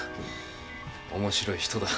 面白い人だ。